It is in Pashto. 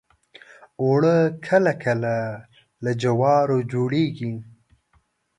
اوړه کله کله له جوارو جوړیږي